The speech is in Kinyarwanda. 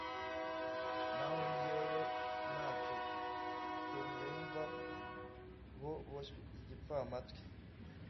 Naho jyewe nta cyo ncyumva boshye igipfamatwi